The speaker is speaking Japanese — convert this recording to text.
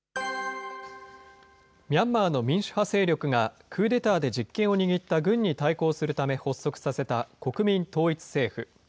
ミャンマーの民主派勢力が、クーデターで実権を握った軍に対抗するため発足させた国民統一政府。